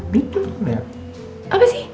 gitu lihat apa sih